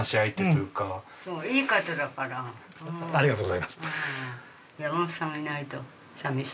ありがとうございます。